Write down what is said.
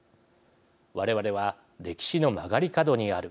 我々は歴史の曲がり角にある。